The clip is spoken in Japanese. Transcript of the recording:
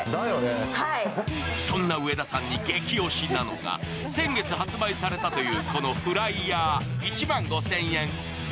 そんな上田さんに激推しなのが先月発売されたというこのフライヤー、１万５０００円。